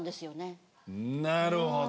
なるほど。